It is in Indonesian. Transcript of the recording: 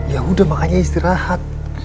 yaudah makanya istirahat